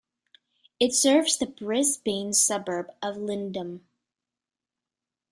It serves the Brisbane suburb of Lindum.